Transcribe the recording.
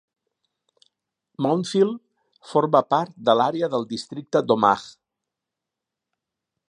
Mountfield forma part de l'àrea del districte d'Omagh.